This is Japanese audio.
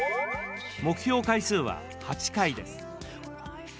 目標回数は８回です。